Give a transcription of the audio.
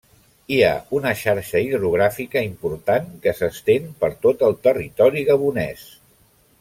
Hi ha una xarxa hidrogràfica important que s'estén per tot el territori gabonès.